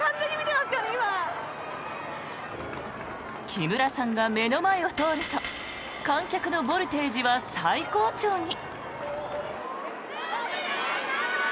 木村さんが目の前を通ると観客のボルテージは最高潮に。